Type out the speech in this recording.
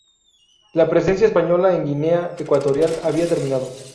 La presencia española en Guinea Ecuatorial había terminado.